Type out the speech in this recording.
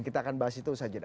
kita akan bahas itu saja